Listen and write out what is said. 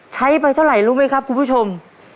ไปเท่าไหร่รู้ไหมครับคุณผู้ชม